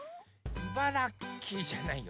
「いばらっきー」じゃないよ。